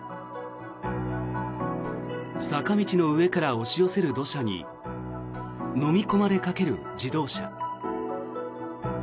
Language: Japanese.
坂道の上から押し寄せる土砂にのみ込まれかける自動車。